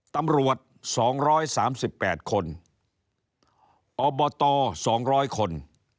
ตำรวจสองร้อยสามสิบแปดคนอบตสองร้อยคน